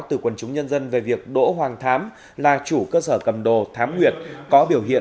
từ quần chúng nhân dân về việc đỗ hoàng thám là chủ cơ sở cầm đồ thám nguyệt có biểu hiện